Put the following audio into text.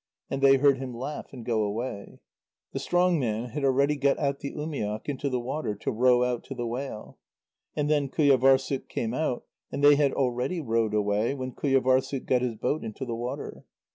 And they heard him laugh and go away. The strong man had already got out the umiak into the water to row out to the whale. And then Qujâvârssuk came out, and they had already rowed away when Qujâvârssuk got his boat into the water.